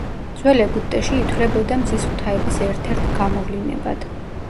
ძველ ეგვიპტეში ითვლებოდა მზის ღვთაების ერთ-ერთ გამოვლინებად.